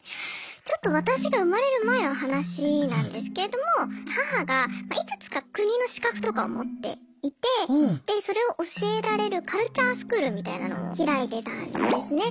ちょっと私が生まれる前の話なんですけれども母がいくつか国の資格とかを持っていてでそれを教えられるカルチャースクールみたいなのを開いてたんですね。